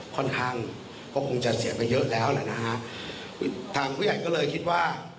ค่อนข้างก็คงจะเสียไปเยอะแล้วแหละนะฮะทางผู้ใหญ่ก็เลยคิดว่า